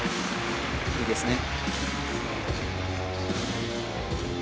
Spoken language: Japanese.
いいですね。